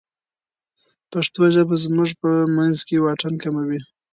پښتو ژبه زموږ په منځ کې واټن کموي.